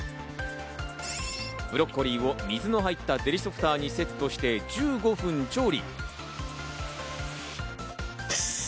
ブロッコリーを水の入ったデリソフターにセットして１５分調理。